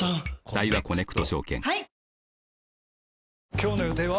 今日の予定は？